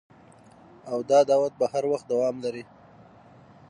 او دا دعوت به هر وخت دوام لري